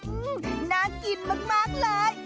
อืมน่ากินมากเลย